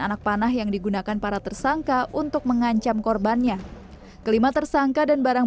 anak panah yang digunakan para tersangka untuk mengancam korbannya kelima tersangka dan barang